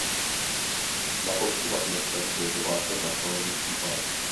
Na kopci nad městem byl vyhlášen archeologický park.